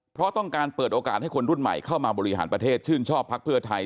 เพราะต้องการเปิดโอกาสให้คนรุ่นใหม่เข้ามาบริหารประเทศชื่นชอบพักเพื่อไทย